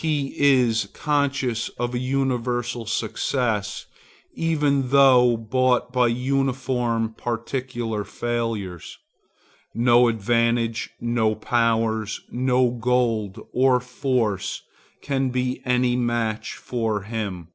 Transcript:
He is conscious of a universal success, even though bought by uniform particular failures. No advantages, no powers, no gold or force, can be any match for him.